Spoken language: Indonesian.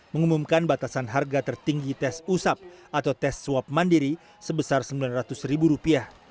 mengumumkan batasan harga tertinggi tes usap atau tes swab mandiri sebesar rp sembilan ratus